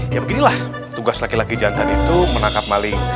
ya beginilah tugas laki laki jantan itu menangkap maling